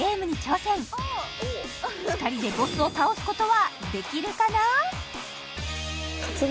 ２人でボスを倒すことはできるかな？